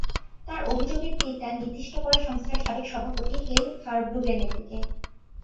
তাঁর অভিযোগের তিরটা নির্দিষ্ট করা সংস্থার সাবেক সভাপতি হেইল ভারব্রুগেনের দিকে।